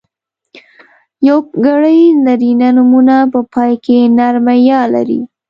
یوګړي نرينه نومونه په پای کې نرمه ی لري.